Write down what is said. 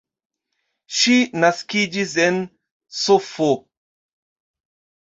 Ŝi naskiĝis en Sf.